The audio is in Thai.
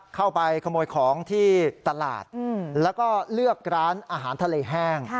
เข้าไปขโมยของที่ตลาดแล้วก็เลือกร้านอาหารทะเลแห้ง